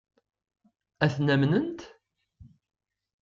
Ad ten-amnent?